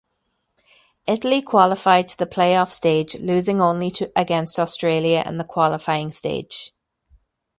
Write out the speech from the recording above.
Italy qualified to the playoff stage losing only against Australia in the qualifying stage.